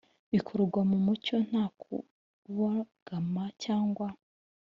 Bikorwa mu mucyo nta kubogama cyangwa